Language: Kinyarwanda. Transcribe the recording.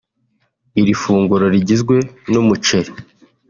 Iri funguro rigizwe n’umuceri